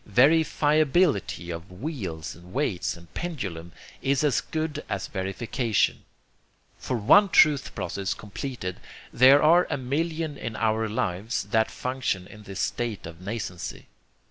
VerifiABILITY of wheels and weights and pendulum is as good as verification. For one truth process completed there are a million in our lives that function in this state of nascency.